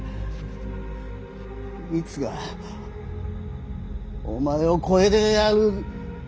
いつかお前を超えてやる。